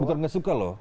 bukan nggak suka loh